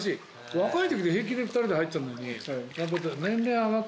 若いとき平気で２人で入ってたのに年齢上がって。